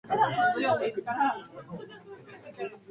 満員電車で、うっかり人の足を踏んじゃった時はなんて謝ればいいんだろう。